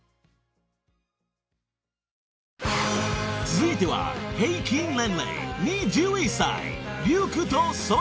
［続いては平均年齢２１歳］